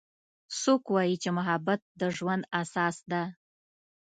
څوک وایي چې محبت د ژوند اساس ده